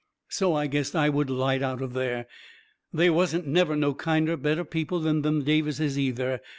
So I guessed I would light out from there. They wasn't never no kinder, better people than them Davises, either.